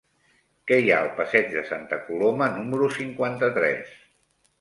Què hi ha al passeig de Santa Coloma número cinquanta-tres?